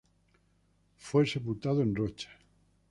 Fue sepultado en Rocha.